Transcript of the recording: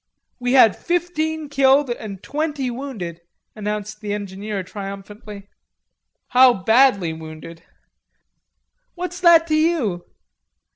"We had fifteen killed and twenty wounded," announced the engineer triumphantly. "How badly wounded?" "What's that to you?